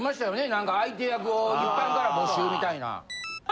何か相手役を一般から募集みたいな。